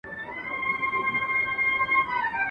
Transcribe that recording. هم کاغذ هم یې قلم ورته پیدا کړ ..